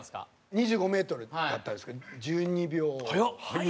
２５メートルだったんですけど１２秒。